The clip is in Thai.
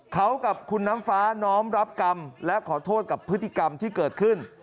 เขากับคุณน้ำฟ้าน้อมรับกรรมและขอโทษกับพฤติกรรมที่เกิดขึ้น